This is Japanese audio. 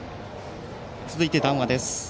続いて談話です。